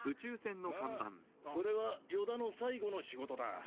ああそれは与田の最後の仕事だ。